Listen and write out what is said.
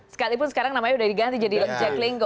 sekalipun sekarang namanya sudah diganti jadi jack lingo